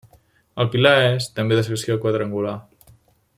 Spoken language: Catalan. El pilar és, també de secció quadrangular.